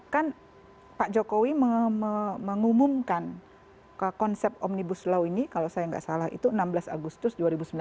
kan pak jokowi mengumumkan konsep omnibus law ini kalau saya nggak salah itu enam belas agustus dua ribu sembilan belas